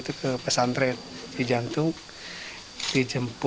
untuk memperkenalkantei aja